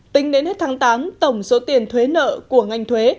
tính đến hết tháng tám tổng số tiền thuế nợ của ngành thuế